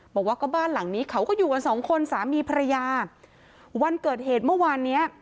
บอกว่าก็บ้านหลังนี้เขาก็อยู่กันสองคนสามีภรรยาวันเกิดเหตุเมื่อวานเนี้ย